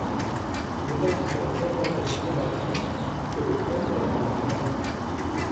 De même que la fenêtre est une évasion, que le pont est un lien.